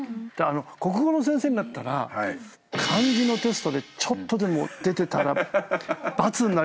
国語の先生になったら漢字のテストでちょっとでも出てたらバツになりそうだな。